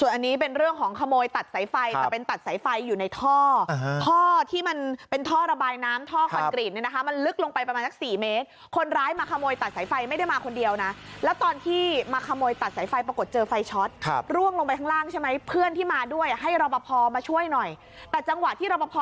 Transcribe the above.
ส่วนอันนี้เป็นเรื่องของขโมยตัดสายไฟแต่เป็นตัดสายไฟอยู่ในท่อท่อที่มันเป็นท่อระบายน้ำท่อคอนกรีตนี่นะคะมันลึกลงไปประมาณสักสี่เมตรคนร้ายมาขโมยตัดสายไฟไม่ได้มาคนเดียวนะแล้วตอนที่มาขโมยตัดสายไฟปรากฏเจอไฟช็อตครับล่วงลงไปข้างล่างใช่ไหมเพื่อนที่มาด้วยอ่ะให้รบพอมาช่วยหน่อยแต่จังหวะที่รบพ